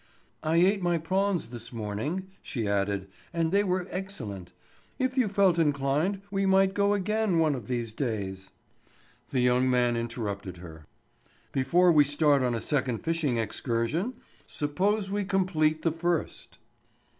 "I ate my prawns this morning," she added, "and they were excellent. If you felt inclined we might go again one of these days." The young man interrupted her: "Before we start on a second fishing excursion, suppose we complete the first?"